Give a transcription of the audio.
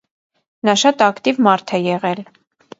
Նա շատ ակտիվ մարդ է եղել։